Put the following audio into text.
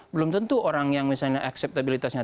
belum tentu orang yang misalnya akseptabilitasnya